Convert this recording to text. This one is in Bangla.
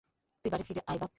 তুই বাড়ি ফিরে আয়, বাপ।